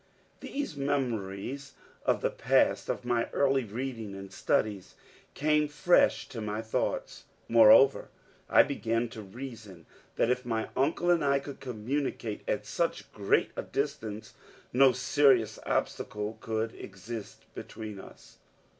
These memories of the past, of my early reading and studies, came fresh to my thoughts. Moreover, I began to reason that if my uncle and I could communicate at so great a distance, no serious obstacle could exist between us.